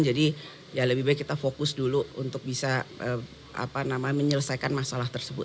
jadi lebih baik kita fokus dulu untuk bisa menyelesaikan masalah tersebut